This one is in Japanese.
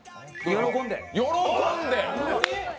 喜んで。